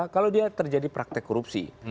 kalau dia terjadi praktek korupsi